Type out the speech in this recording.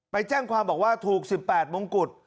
ไปแจ้งความบอกว่าถูก๑๘มงกุฎ